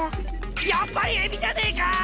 やっぱりエビじゃねえか！